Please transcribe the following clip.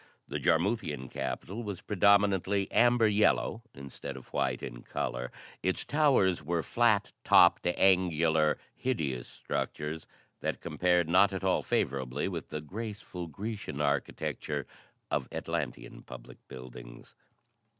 The Jarmuthian capital was predominantly amber yellow instead of white in color; its towers were flat topped, angular, hideous structures that compared not at all favorably with the graceful Grecian architecture of Atlantean public buildings.